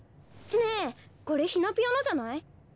ねえこれひなピヨのじゃない？